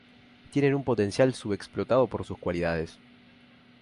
Tienen un potencial sub-explotado por sus cualidades.